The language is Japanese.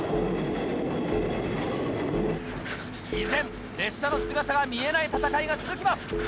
依然列車の姿が見えない戦いが続きます。